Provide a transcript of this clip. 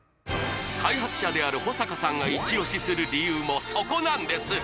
開発者である保阪さんがイチオシする理由もそこなんです